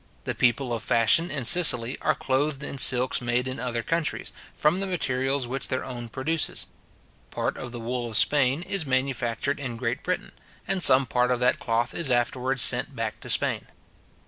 The people of fashion in Sicily are clothed in silks made in other countries, from the materials which their own produces. Part of the wool of Spain is manufactured in Great Britain, and some part of that cloth is afterwards sent back to Spain.